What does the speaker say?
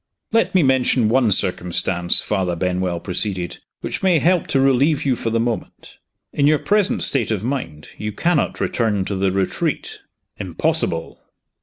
"Let me mention one circumstance," Father Benwell proceeded, "which may help to relieve you for the moment. In your present state of mind, you cannot return to The Retreat." "Impossible!"